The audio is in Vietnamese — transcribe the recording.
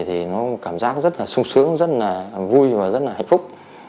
thì nó cảm giác rất là sung sướng rất là vui và rất là hạnh phúc